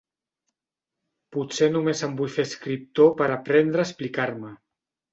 Potser només em vull fer escriptor per aprendre a explicar-me.